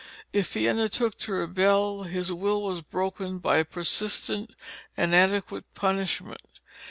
If he undertook to rebel his will was broken by persistent and adequate punishment.